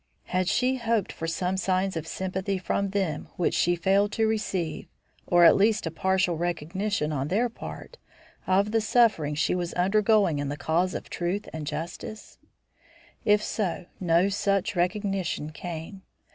Had she hoped for some signs of sympathy from them which she failed to receive, or, at least a partial recognition, on their part, of the suffering she was undergoing in the cause of truth and justice? If so, no such recognition came.